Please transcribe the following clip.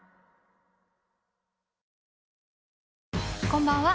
こんばんは。